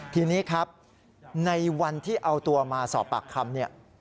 ทีนี้ครับในวันที่เอาตัวมาสอบปากคำเนี่ย